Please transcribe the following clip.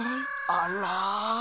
あら。